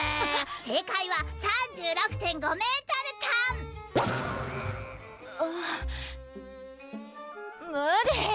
正解は３６．５ｍトンあっ無理